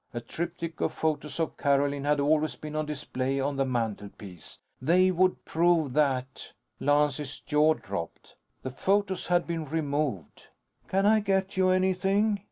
A triptych of photos of Carolyn had always been on display on the mantelpiece. _They would prove that _ Lance's jaw dropped. The photos had been removed. "Can I get you anything?"